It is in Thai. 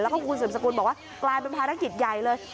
แล้วก็คุณสืบสกุลบอกว่ากลายเป็นภารกิจใหญ่เลย